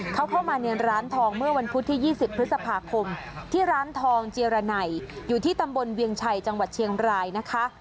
เขาเข้ามาในร้านทองเมื่อวันพุธที่๒๐พฤษภาคมที่ร้านทองเจียรนัยอยู่ที่ตำบลเวียงชัยจังหวัดเชียงรายนะคะ